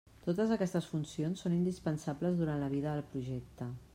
Totes aquestes funcions són indispensables durant la vida del projecte.